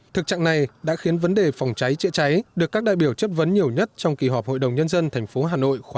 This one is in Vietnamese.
thực trạng này đã khiến vấn đề phòng cháy chữa cháy được các đại biểu chất vấn nhiều nhất trong kỳ họp hội đồng nhân dân tp hà nội khóa một mươi